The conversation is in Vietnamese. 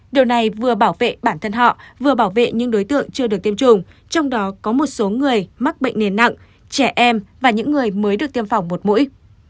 điều này vừa bảo vệ bản thân họ vừa bảo vệ những đối tượng chưa được tiêm chủng trong đó có một số người mắc bệnh nền nặng trẻ em và những người mới được tiêm phòng một mũi